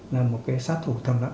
là một cái sát thủ tăng lặng